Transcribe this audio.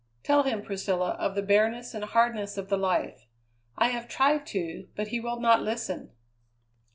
"Tell him, Priscilla, of the bareness and hardness of the life. I have tried to, but he will not listen."